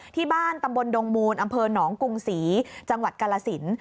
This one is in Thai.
ที่บ้านตำบลดงมูลอำเภอหนองกรุงศรีจังหวัดกาลสิน